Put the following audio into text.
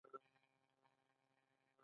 د خاشرود دښتې ګرمې دي